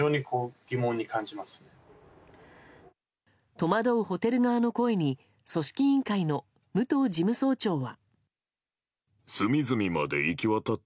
戸惑うホテル側の声に組織委員会の武藤事務総長は。